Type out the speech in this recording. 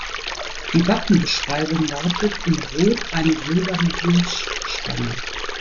Die Wappenbeschreibung lautet: In Rot eine silberne Hirschstange.